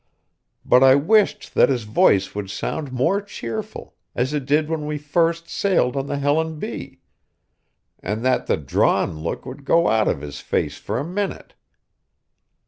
But I wished that his voice would sound more cheerful, as it did when we first sailed in the Helen B., and that the drawn look would go out of his face for a minute.